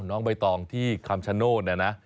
น้องบ๊ายตองที่คำชโนธนะนะ